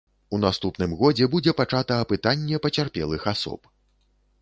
У наступным годзе будзе пачата апытанне пацярпелых асоб.